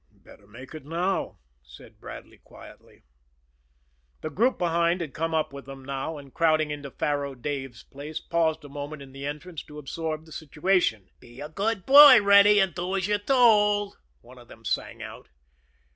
"Better make it now," said Bradley quietly. The group behind had come up with them now, and, crowding into Faro Dave's place, paused a moment in the entrance to absorb the situation. "Be a good boy, Reddy, and do as you're told," one of them sang out.